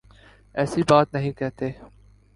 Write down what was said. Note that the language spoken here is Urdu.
ایسی بات نہیں کہتے